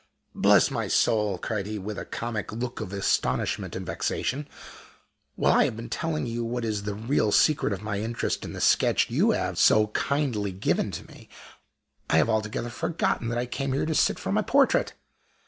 "Bless my soul!" cried he, with a comic look of astonishment and vexation, "while I have been telling you what is the real secret of my interest in the sketch you have so kindly given to me, I have altogether forgotten that I came here to sit for my portrait.